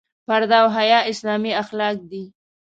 پرده او حیا اسلامي اخلاق دي.